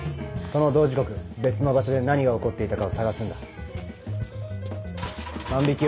その同時刻別の場所で何が起こっていたか。